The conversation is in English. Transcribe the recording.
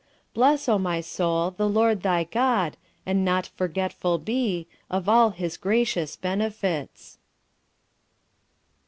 Bless, O my soul, the Lord thy God, And not forgetful be Of all his gracious benefits."